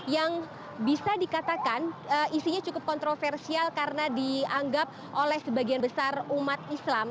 yang bisa dikatakan isinya cukup kontroversial karena dianggap oleh sebagian besar umat islam